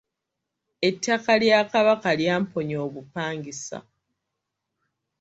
Ettaka Lya Kabaka lyamponya obupangisa.